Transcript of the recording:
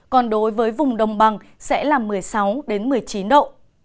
còn đối với vùng đồng bằng sẽ là một mươi sáu một mươi chín độ